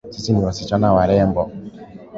Sisi ni wasichana warembo